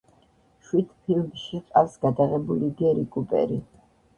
შვიდ ფილმში ჰყავს გადაღებული გერი კუპერი.